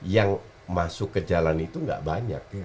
yang masuk ke jalan itu tidak banyak